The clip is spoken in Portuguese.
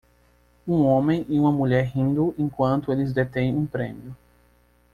Um homem e uma mulher rindo enquanto eles detêm um prêmio.